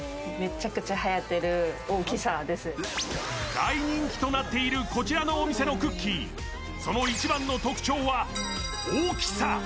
大人気となっているこちらのお店のクッキー、その一番の特徴は大きさ。